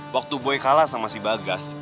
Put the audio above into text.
waktu boy kalah sama si bagas